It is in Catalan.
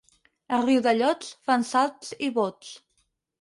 A Riudellots fan salts i bots.